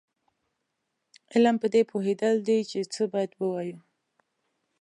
علم پدې پوهېدل دي چې څه باید ووایو.